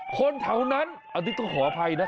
คนแถวนั้นอาทิตย์จะภ่อบภัยนะ